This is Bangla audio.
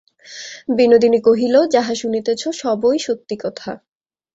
বিনোদিনী কহিল, যাহা শুনিতেছ সবই সত্য কথা।